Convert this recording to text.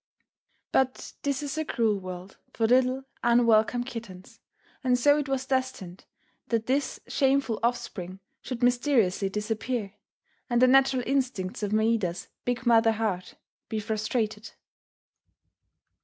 But this is a cruel world for little unwelcome kittens and so it was destined that this shameful offspring should mysteriously disappear, and the natural instincts of Maida's big mother heart be frustrated.